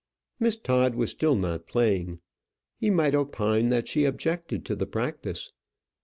Miss Todd was still not playing. He might opine that she objected to the practice.